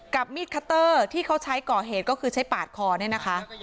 มีดคัตเตอร์ที่เขาใช้ก่อเหตุก็คือใช้ปาดคอเนี่ยนะคะ